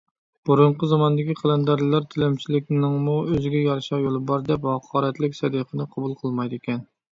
بۇرۇنقى زاماندىكى قەلەندەرلەر تىلەمچىلىكنىڭمۇ ئۆزىگە يارىشا يولى بار دەپ، ھاقارەتلىك سەدىقىنى قوبۇل قىلمايدىكەن.